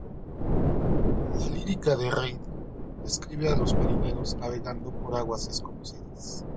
La lírica de Reid describe a los marineros navegando por aguas desconocidas.